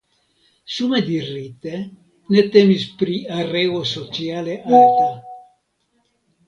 Sume dirite ne temis pri areo sociale alta.